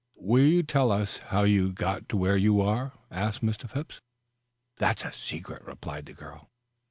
"Will you tell us how you got where you are?" asked Mr. Phipps. "That's a secret," replied the girl.